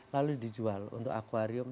lalu dijual untuk akuarium